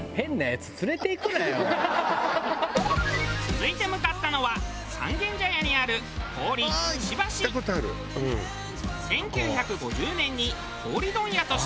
続いて向かったのは三軒茶屋にある１９５０年に氷問屋として開業。